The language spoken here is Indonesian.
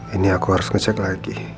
ini aku harus ngecek lagi